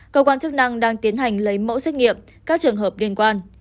cơ quan chức năng đang tiến hành lấy mẫu xét nghiệm các trường hợp liên quan